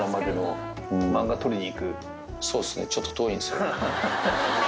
そうっすね、ちょっと遠いんすよ。